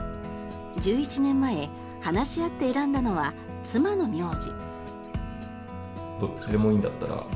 １１年前、話し合って選んだのは妻の名字。